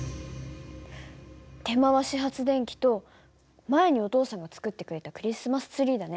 手回し発電機と前にお父さんが作ってくれたクリスマスツリーだね。